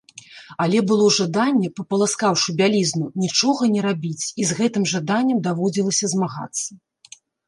Але было жаданне, папаласкаўшы бялізну, нічога не рабіць, і з гэтым жаданнем даводзілася змагацца.